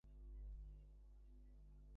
এটা বিপজ্জনক হতে পারে।